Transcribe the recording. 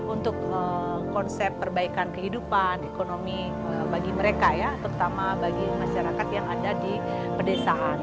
untuk konsep perbaikan kehidupan ekonomi bagi mereka ya terutama bagi masyarakat yang ada di pedesaan